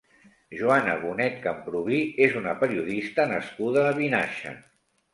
Joana Bonet Camprubí és una periodista nascuda a Vinaixa.